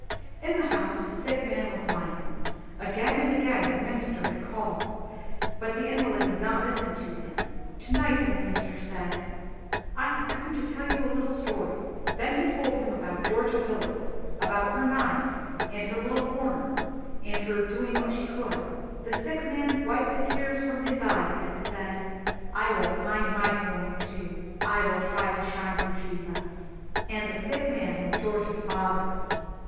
In the house a sick man was lying. Again and again the minister had called, but the invalid would not listen to him. Tonight the minister said, "I have come to tell you a little story." Then he told him about Georgia Willis, about her knives and her little corner, and her "doing what she could." The sick man wiped the tears from his eyes, and said, "I will find my corner, too. I will try to shine for Jesus." And the sick man was Georgia's father.